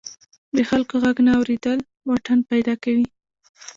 د خلکو غږ نه اوریدل واټن پیدا کوي.